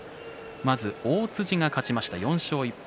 まず大辻が勝ちました４勝１敗。